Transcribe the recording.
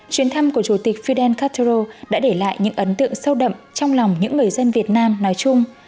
chuyến thăm của chủ tịch fidel castro đã để lại những ấn tượng sâu đậm trong lòng những người dân việt nam nói chung